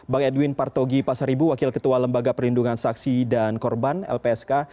bang edwin partogi pasaribu wakil ketua lembaga perlindungan saksi dan korban lpsk